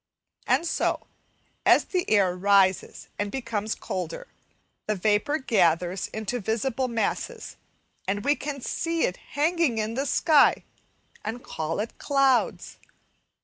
And so, as the air rises and becomes colder, the vapour gathers into the visible masses, and we can see it hanging in the sky, and call it clouds.